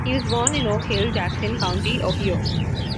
He was born in Oak Hill, Jackson County, Ohio.